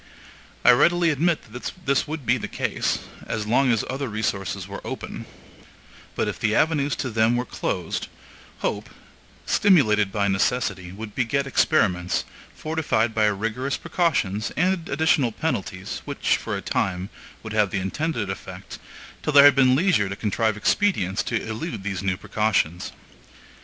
I readily admit that this would be the case, as long as other resources were open; but if the avenues to them were closed, HOPE, stimulated by necessity, would beget experiments, fortified by rigorous precautions and additional penalties, which, for a time, would have the intended effect, till there had been leisure to contrive expedients to elude these new precautions.